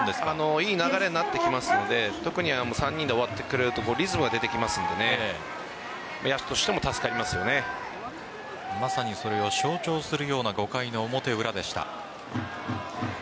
いい流れになってくるので３人で終わってくれるとリズムが出てくるのでまさにそれを象徴するような５回の表裏でした。